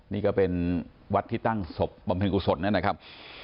นี่ก็เป็นวัดที่ตั้งศพบำเพ็ญกุศลนั่นนะครับ